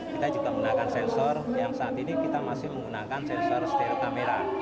kita juga menggunakan sensor yang saat ini kita masih menggunakan sensor steer kamera